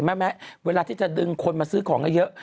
แม้เวลาที่จะดึงคนมาซื้อของเยอะ